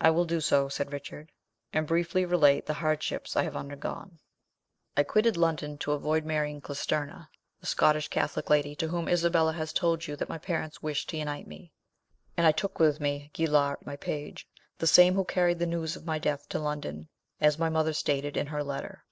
"I will do so," said Richard, "and briefly relate the hardships I have undergone. "I quitted London to avoid marrying Clisterna, the Scottish Catholic lady, to whom Isabella has told you that my parents wished to unite me, and I took with me Guillart, my page, the same who carried the news of my death to London, as my mother stated in her letter.